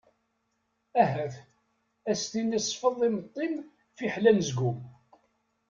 Ahat! ad as-tini sfeḍ imeṭṭi-m fiḥel anezgum.